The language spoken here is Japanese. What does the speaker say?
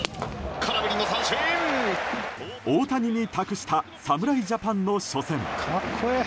大谷に託した侍ジャパンの初戦。